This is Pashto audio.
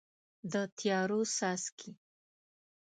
د تیارو څاڅکي